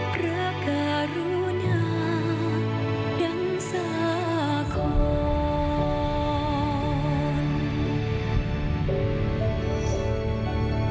พระการุณาดังสาคอน